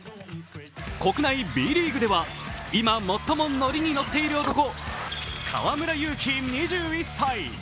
国内Ｂリーグでは今、最も乗りに乗っている男河村勇輝２１歳。